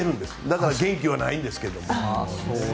だから元気はないんですけども。